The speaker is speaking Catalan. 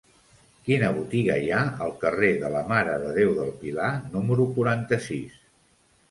Quina botiga hi ha al carrer de la Mare de Déu del Pilar número quaranta-sis?